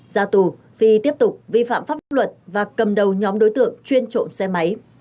ra tù phi tiếp tục vi phạm pháp luật và cầm đầu nhóm đối tượng chuyên trộm xe máy